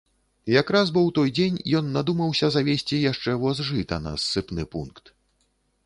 Якраз бо ў той дзень ён надумаўся завезці яшчэ воз жыта на ссыпны пункт.